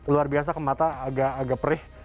luar biasa ke mata agak perih